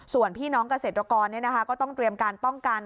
ส่วนพี่น้องเกษตรกรก็ต้องเตรียมการป้องกัน